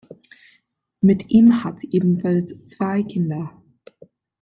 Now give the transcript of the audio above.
Mit ihm hat sie ebenfalls zwei Kinder.